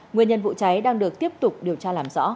nguyên nhân vụ cháy đang được tiếp tục điều tra làm rõ